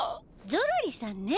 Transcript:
ゾロリさんね！